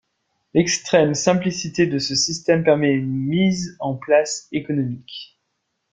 L'extrême simplicité de ce système permet une mise en place économique.